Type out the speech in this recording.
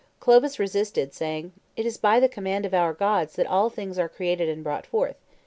Clovis resisted, saying, "It is by the command of our gods that all things are created and brought forth.